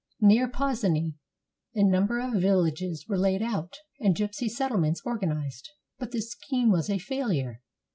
Near Pozsony a number of villages were laid out, and gypsy settlements organized. But the scheme was a failure.